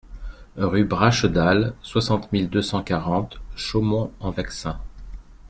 Rue Brachedal, soixante mille deux cent quarante Chaumont-en-Vexin